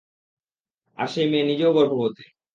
আর সেই মেয়ে নিজেও গর্ভবতী।